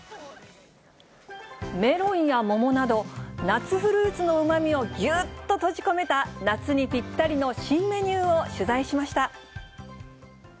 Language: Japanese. メロンや桃など、夏フルーツのうまみをぎゅっと閉じ込めた、夏にぴったりの新メニューを取材しました。